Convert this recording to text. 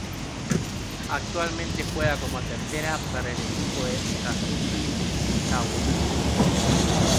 Actualmente juega como tercera para el equipo de Satsuki Fujisawa.